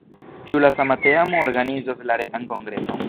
Ĉu la sama teamo organizos la retan kongreson?